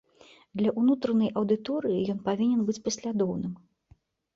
Для ўнутранай аўдыторыі ён павінен быць паслядоўным.